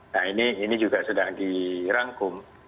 nah ini juga sedang dirangkum